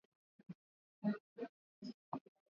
Njia za kulima viazi lishe